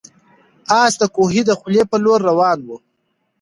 آس د کوهي د خولې په لور روان و.